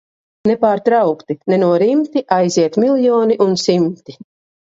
Nepārtraukti, nenorimti aiziet miljoni un simti.